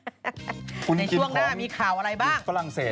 เชื่อหมาฮันมีข่าวอะไรบ้าง